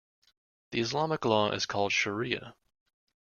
The Islamic law is called shariah.